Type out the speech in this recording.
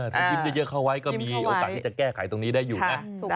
ถ้ายิ้มเยอะเข้าไว้ก็มีโอกาสที่จะแก้ไขตรงนี้ได้อยู่นะ